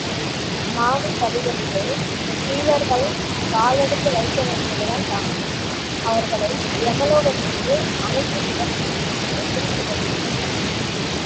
மாடிப்படிகளிலே பீலர்கள் காலெடுத்து வைக்கவேண்டியதுதான் தாமதம், அவர்களை எமலோகத்திற்கு அனுப்பிவிடவேண்டுமென்று துடித்துக்கொண்டிருந்தனர்.